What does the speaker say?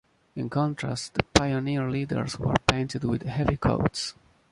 In contrast, the pioneer leaders were painted with heavy coats.